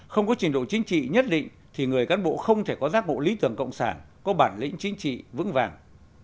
không có trình độ chính trị nhất định thì người cán bộ không thể có giác bộ lý tưởng cộng sản có bản lĩnh chính trị vững vàng